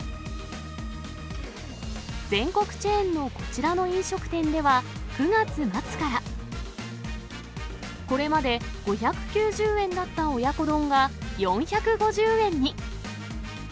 全国チェーンのこちらの飲食店では、９月末から、これまで５９０円だった親子丼が４５０円に。